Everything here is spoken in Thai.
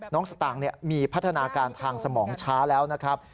สตางค์มีพัฒนาการทางสมองช้าแล้วนะครับ